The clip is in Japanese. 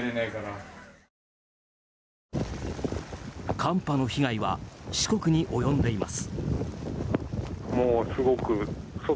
寒波の被害は四国に及んでいます。